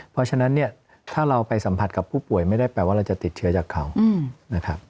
เพราะฉะนั้นเนี่ยถ้าเราไปสัมผัสกับผู้ป่วยไม่ได้แปลว่าเราจะติดเชื้อจากเขานะครับ